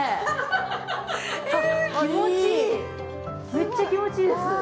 めっちゃ気持ちいいです。